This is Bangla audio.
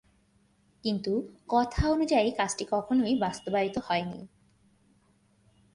কিন্তু কথা অনুযায়ী কাজটি কখনোই বাস্তবায়িত হয়নি।